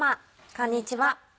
こんにちは。